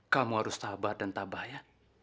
kamu harus sabar dan tabah ya